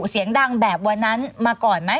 เสียงดังแบบวันนั้นมาก่อนไหม